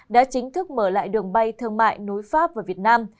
đã chính thức mở lại đường bay thương mại nối pháp và việt nam